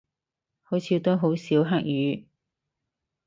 好似都好少黑雨